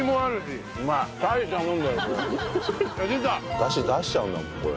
ダシ出しちゃうんだもんこれ。